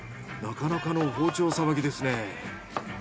なかなかの包丁さばきですね。